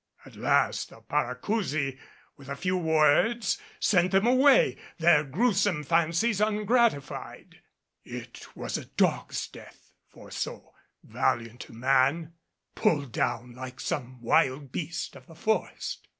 At last the Paracousi, with a few words, sent them away, their gruesome fancies ungratified. It was a dog's death for so valiant a man pulled down like some wild beast of the forest.